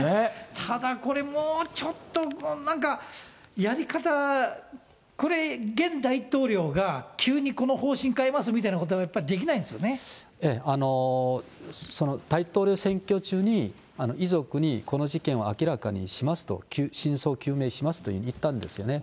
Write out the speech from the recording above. ただこれも、ちょっとなんか、やり方、これ現大統領が急にこの方針変えますみたいなこと、やっぱできな大統領選挙中に、遺族にこの事件を明らかにしますと、真相究明しますというふうに言ったんですよね。